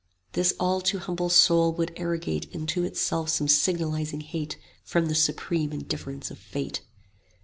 "This all too humble soul would arrogate Unto itself some signalising hate From the supreme indifference of Fate!"